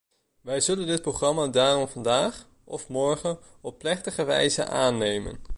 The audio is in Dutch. Wij zullen dit programma daarom vandaag, of morgen op plechtige wijze aannemen.